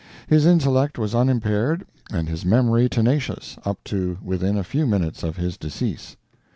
His intellect was unimpaired, and his memory tenacious, up to within a few minutes of his decease.